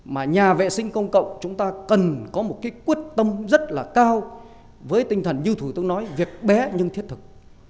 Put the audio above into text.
mà nhà vệ sinh công cộng chúng ta cần có một cái quyết tâm rất là cao với tinh thần như thủ tướng nói việc bé nhưng thiết thực